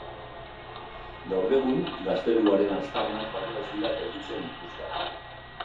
Gaur egun gazteluaren aztarnak baino ez dira gelditzen ikusgai.